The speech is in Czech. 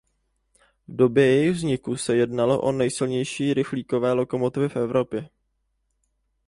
V době jejich vzniku se jednalo o nejsilnější rychlíkové lokomotivy v Evropě.